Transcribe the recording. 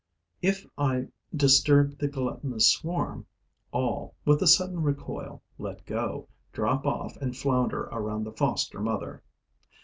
If I disturb the gluttonous swarm, all, with a sudden recoil, let go, drop off and flounder around the foster mother.